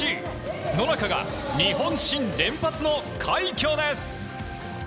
野中が日本新連発の快挙です。